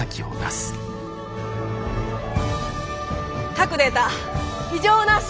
各データ異常なし！